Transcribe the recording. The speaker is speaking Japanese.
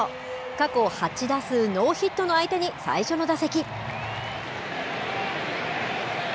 過去８打数ノーヒットの相手に、最初の打席。